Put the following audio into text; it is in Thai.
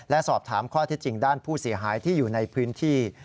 และสอบถามข้อเท็จจริงด้านผู้เสียหายที่อยู่ในพื้นที่